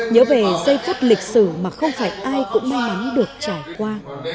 nhớ về giây phút lịch sử mà không phải ai cũng may mắn được trải qua